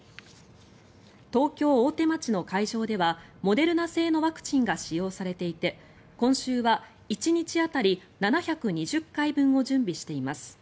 東京・大手町の会場ではモデルナ製のワクチンが使用されていて今週は１日当たり７２０回分を準備しています。